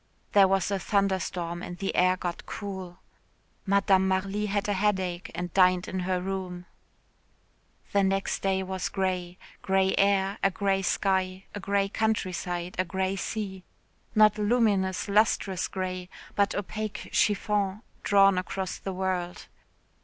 There was a thunderstorm and the air got cool. Madame Marly had a headache and dined in her room. The next day was grey grey air, a grey sky, a grey countryside, a grey sea not luminous, lustrous grey, but opaque chiffon drawn across the world.